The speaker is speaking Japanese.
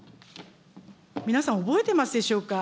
皆さん、覚えてますでしょうか。